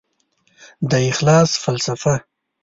د اخلاص فلسفه